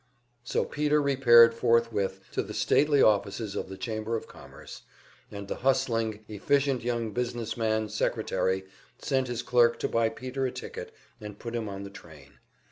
So Peter repaired forthwith to the stately offices of the Chamber of Commerce, and the hustling, efficient young business man secretary sent his clerk to buy Peter a ticket and put him on the train.